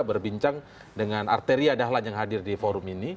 berbincang dengan arteria dahlan yang hadir di forum ini